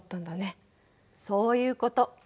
そういうこと。